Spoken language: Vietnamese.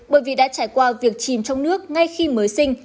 bởi vì đã trải qua việc chìm trong nước ngay khi mới sinh